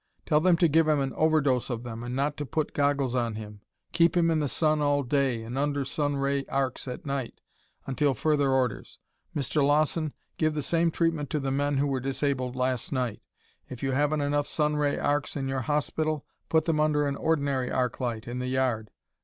Tell them to give him an overdose of them and not to put goggles on him. Keep him in the sun all day and under sun ray arcs at night until further orders. Mr. Lawson, give the same treatment to the men who were disabled last night. If you haven't enough sun ray arcs in your hospital, put them under an ordinary arc light in the yard.